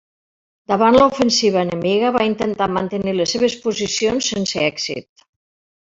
Davant l'ofensiva enemiga va intentar mantenir les seves posicions, sense èxit.